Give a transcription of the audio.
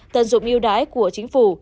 tận dụng yêu đái của chính phủ